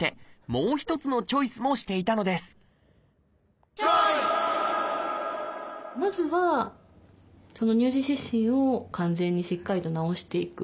もう一つのチョイスもしていたのですまずは乳児湿疹を完全にしっかりと治していく。